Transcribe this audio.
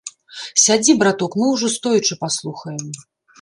Сядзі, браток, мы ўжо стоячы паслухаем.